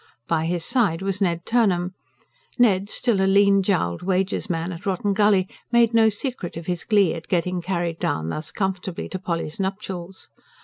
By his side was Ned Turnham. Ned, still a lean jowled wages man at Rotten Gully, made no secret of his glee at getting carried down thus comfortably to Polly's nuptials.